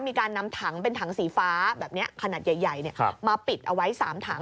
มีการนำถังเป็นถังสีฟ้าแบบนี้ขนาดใหญ่มาปิดเอาไว้๓ถัง